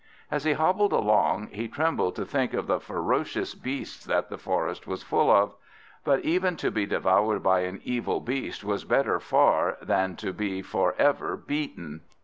As he hobbled along, he trembled to think of the ferocious beasts that the forest was full of; but even to be devoured by an evil beast was better far than to be for ever beaten.